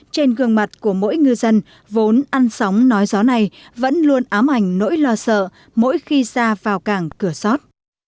trên gương mặt của mỗi ngư dân vốn ăn sóng nói gió này vẫn luôn ám ảnh nỗi lo sợ mỗi khi ra vào cảng cửa sót